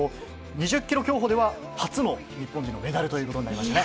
２０ｋｍ競歩では初の日本人のメダルとなりましたね。